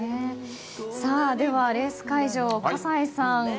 ではレース会場、葛西さん。